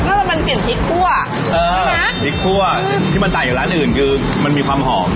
ก็คือมันกลิ่นพริกคั่วเออพริกคั่วที่มันต่างจากร้านอื่นคือมันมีความหอม